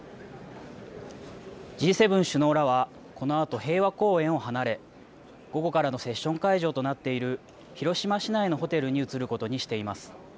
Ｇ７首脳らはこのあと平和公園を離れ午後からのセッション会場となっている広島市内のホテルに移ることにしています。